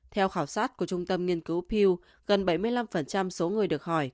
theo khảo sát của trung tâm nghiên cứu piw gần bảy mươi năm số người được hỏi